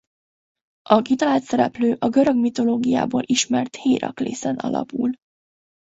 A kitalált szereplő a görög mitológiából ismert Héraklészen alapul.